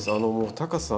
高さ。